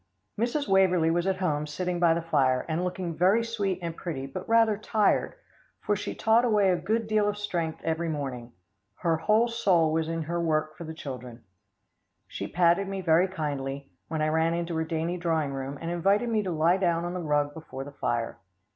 Mrs. Waverlee was at home sitting by the fire, and looking very sweet and pretty but rather tired, for she taught away a good deal of strength every morning. Her whole soul was in her work for the children. She patted me very kindly, when I ran into her dainty drawing room, and invited me to lie down on the rug before the fire.